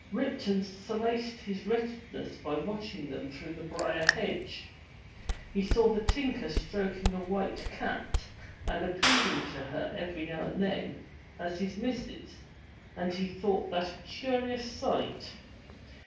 Ripton solaced his wretchedness by watching them through the briar hedge. He saw the tinker stroking a white cat, and appealing to her every now and then, as his missus, and he thought that a curious sight.